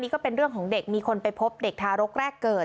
ก็เป็นเรื่องของเด็กมีคนไปพบเด็กทารกแรกเกิด